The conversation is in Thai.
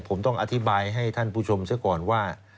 ผมต้องอธิบายให้ท่านผู้ชมเสียก่อนว่า